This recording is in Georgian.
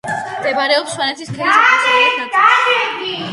მდებარეობს სვანეთის ქედის აღმოსავლეთ ნაწილში.